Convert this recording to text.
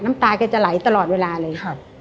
น้ำตาแกจะไหลตลอดเวลาเลย